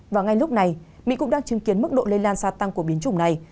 và ngay lúc này mỹ cũng đang chứng kiến mức độ lây lan xa tăng của biến chủng này